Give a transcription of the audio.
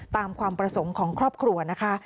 ตามความประสงค์ของครอบครัวนะคะ